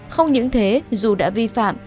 không những thế dù đã vi phạm